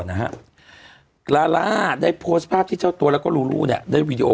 ลาล่าได้โพสต์ภาพที่เจ้าตัวแล้วก็ลูลูเนี่ยได้วีดีโอ